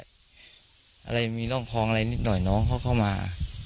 อะไรมีร่องพองอะไรนิดหน่อยน้องเขาเข้ามา